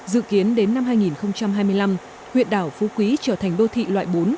dự kiến đến năm hai nghìn hai mươi năm huyện đảo phú quý trở thành đô thị loại bốn